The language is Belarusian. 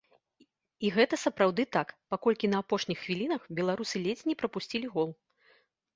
І гэта сапраўды так, паколькі на апошніх хвілінах беларусы ледзь не прапусцілі гол.